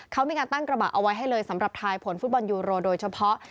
เขามีการตั้งกระบะเอาไว้ให้เลยสำหรับทายผลฟุตบอลยูโรโดยเฉพาะ